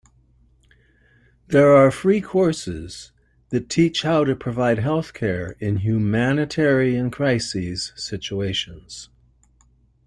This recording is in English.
There are free courses that teach how to provide healthcare in humanitarian crises situations.